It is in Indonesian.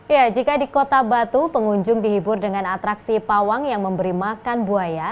ya jika di kota batu pengunjung dihibur dengan atraksi pawang yang memberi makan buaya